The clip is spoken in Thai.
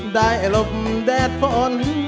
ได้ลบแดดฝน